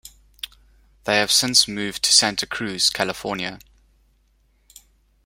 They have since moved to Santa Cruz, California.